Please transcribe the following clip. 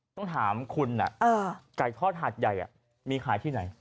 ต้องถามคุณไก่ทอดหาดใหญ่มีขายที่ไหน